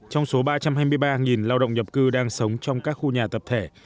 trong số ba trăm hai mươi ba lao động nhập cư đang sống trong các khu nhà tập thể